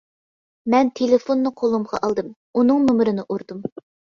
مەن تېلېفوننى قولۇمغا ئالدىم، ئۇنىڭ نومۇرنى ئۇردۇم.